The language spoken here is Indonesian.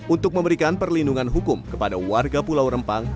untuk memberikan perlindungan hukum kepada warga pulau rempang